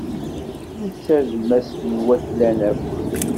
Netta d mass n waklan akk.